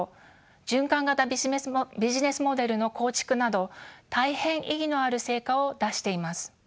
循環型ビジネスモデルの構築など大変意義のある成果を出しています。